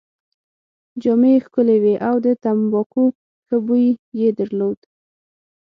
جامې يې ښکلې وې او د تمباکو ښه بوی يې درلود.